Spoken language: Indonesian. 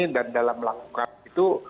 dan dalam melakukan itu